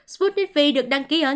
sputnik v được đăng ký ở nơi này